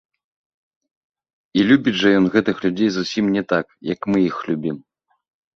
І любіць жа ён гэтых людзей зусім неяк не так, як мы іх любім.